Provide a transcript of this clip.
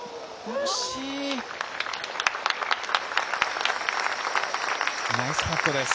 惜しい！ナイスパットです。